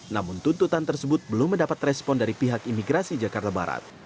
namun tuntutan tersebut belum mendapat respon dari pihak imigrasi jakarta barat